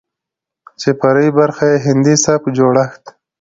چې فرعي برخې يې هندي سبک جوړښت،